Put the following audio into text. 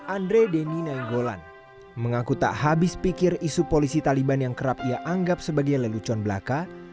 andre denny nainggolan mengaku tak habis pikir isu polisi taliban yang kerap ia anggap sebagai lelucon belaka